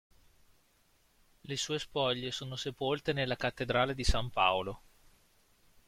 Le sue spoglie sono sepolte nella cattedrale di San Paolo.